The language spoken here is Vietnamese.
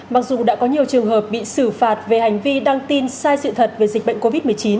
mặc dù đã có nhiều trường hợp bị xử phạt về hành vi đăng tin sai sự thật về dịch bệnh covid một mươi chín